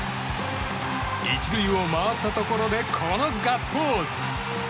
１塁を回ったところでこのガッツポーズ！